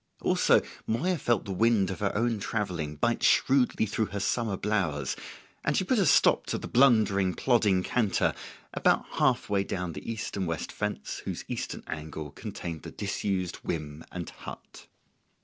Also Moya felt the wind of her own travelling bite shrewdly through her summer blouse; and she put a stop to the blundering, plodding canter about half way down the east and west fence whose eastern angle contained the disused whim and hut.